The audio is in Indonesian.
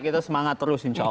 kita semangat terus insya allah